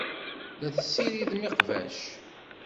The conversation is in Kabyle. La tessiridem iqbac.